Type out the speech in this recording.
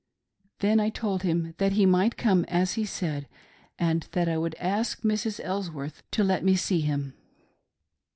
Then I told him that he might come as he said, and that I would ask Mrs. Elsworth to let me see him.